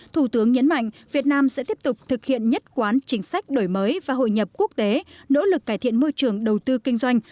thủ tướng nhấn mạnh việt nam sẽ tiếp tục thực hiện nhất quán chính sách đổi mới và hội nhập quốc tế nỗ lực cải thiện môi trường đầu tư kinh doanh